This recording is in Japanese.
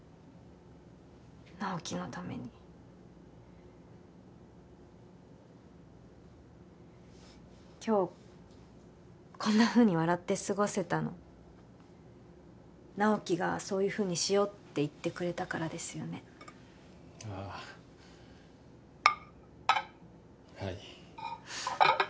直木のために今日こんなふうに笑ってすごせたの直木がそういうふうにしようって言ってくれたからですよねああはい